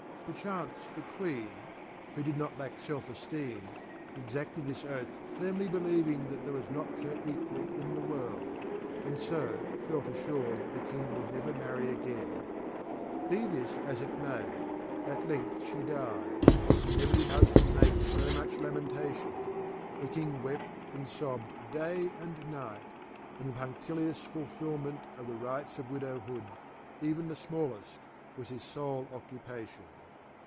Perchance, the Queen, who did not lack self esteem, exacted this oath firmly believing that there was not her equal in the world, and so felt assured that the King would never marry again. Be this as it may, at length she died, and never did husband make so much lamentation; the King wept and sobbed day and night, and the punctilious fulfilment of the rites of widower hood, even the smallest, was his sole occupation.